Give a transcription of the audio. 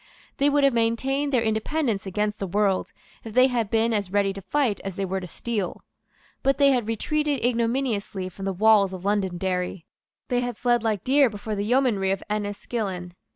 They would have maintained their independence against the world, if they had been as ready to fight as they were to steal. But they had retreated ignominiously from the walls of Londonderry. They had fled like deer before the yeomanry of Enniskillen.